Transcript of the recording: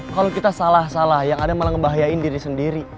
kalau kita salah salah yang ada malah ngebahayain diri sendiri